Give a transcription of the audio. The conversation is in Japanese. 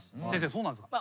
そうなんですか？